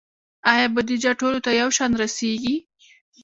آیا بودیجه ټولو ته یو شان رسیږي؟